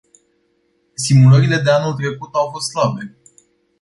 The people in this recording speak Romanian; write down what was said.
Simulările de anul trecut au fost slabe.